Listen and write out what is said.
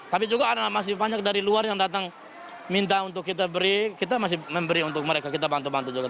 tapi juga ada masih banyak dari luar yang datang minta untuk kita beri kita masih memberi untuk mereka kita bantu bantu juga